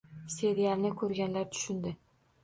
Serialni ko‘rganlar tushundi